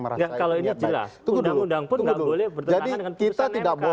merasakan niat baik